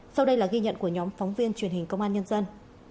sau đây là ghi nhận của nhóm phóng viên truyền hình công an nhân dân